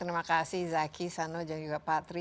terima kasih zaki sano dan juga pak tri